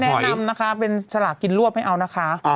ไม่แนะนำนะคะเป็นขณะฉากินร่วดทำไมไม่เอานะคะ